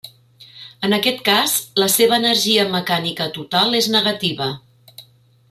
En aquest cas la seva energia mecànica total és negativa.